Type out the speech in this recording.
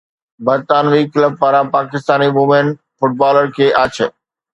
برطانوي ڪلب پاران Pakistani women footballer کي آڇ